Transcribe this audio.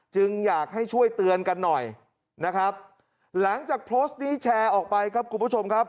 จึงอยากให้ช่วยเตือนกันหน่อยหลังจากโพสต์นี้แชร์ออกไปครับ